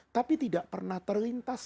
tapi tidak pernah terlintas